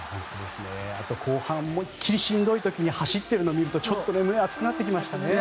あと後半思い切りしんどい時に走っているのを見るとちょっと胸が熱くなってきましたね。